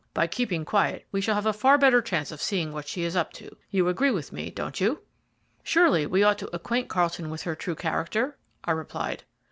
By keeping quiet we shall have a far better chance of seeing what she is up to. You agree with me, don't you?" "Surely we ought to acquaint Carlton with her true character?" I replied.